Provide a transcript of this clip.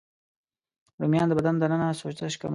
رومیان د بدن دننه سوزش کموي